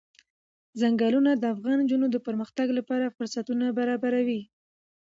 ځنګلونه د افغان نجونو د پرمختګ لپاره فرصتونه برابروي.